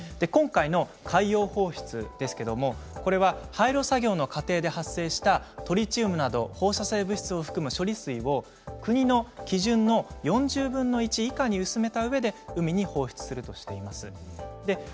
今回の海洋放出は廃炉作業の過程で発生したトリチウムなど放射性物質を含む処理水を国の基準濃度の４０分の１以下に薄めたうえで放出するとしています。